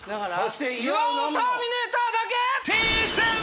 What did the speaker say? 岩尾ターミネーターだけ。